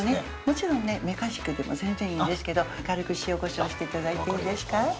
もちろんねメカジキでも全然いいんですけど軽く塩こしょうしていただいていいですか？